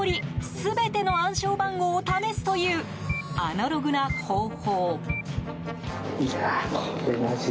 全ての暗証番号を試すというアナログな方法。